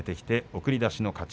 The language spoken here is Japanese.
送り出しの勝ち。